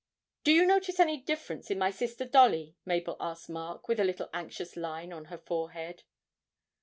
'Do you notice any difference in my sister Dolly?' Mabel asked Mark, with a little anxious line on her forehead.